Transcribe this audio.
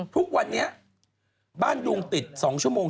ทุกวันนี้บ้านดุงติด๒ชั่วโมง